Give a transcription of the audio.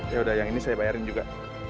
ya udah yang ini saya bayarin juga